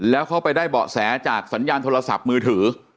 แล้วเขาไปได้เบาะแสจากสัญญาณโทรศัพท์มือถือ